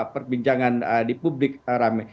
perbincangan di publik rame